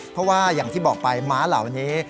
เพราะว่าอย่างที่บอกไปม้าเหล่านี้